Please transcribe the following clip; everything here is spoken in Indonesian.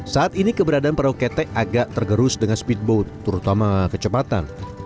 saat ini keberadaan perahu ketek agak tergerus dengan speedboat terutama kecepatan